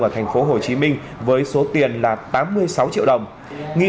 ở thành phố hồ chí minh với số tiền là tám mươi sáu triệu đồng